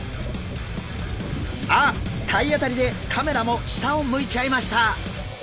あっ体当たりでカメラも下を向いちゃいました。